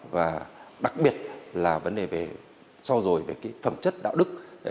và đặc biệt là vấn đề so dồi về phẩm chất đạo đức